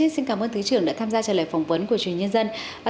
xin cảm ơn thứ trưởng đã tham gia trả lời phỏng vấn của truyền nhân dân